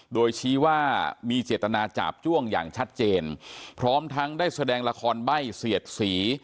โดยชี้ว่ามีเจตนาจาบจ้วงอย่างชัดเจนพร้อมทั้งได้แสดงละครใบ้เสียดสี